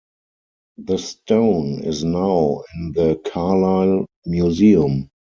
The stone is now in the Carlisle Museum.